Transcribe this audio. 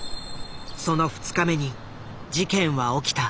その２日目に事件は起きた。